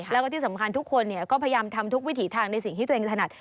แล้วก็ที่สำคัญทุกคนก็พยายามทำทุกวิถีทางในสิ่งที่ตัวเองถนัด